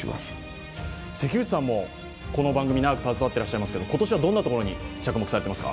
関口さんもこの番組に長く携わっていますけど、今年はどんなところに着目されてますか？